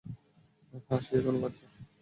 হ্যাঁ, সে এখনো বাচ্চা।